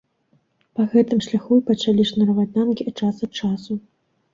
Па гэтым шляху і пачалі шнураваць танкі час ад часу.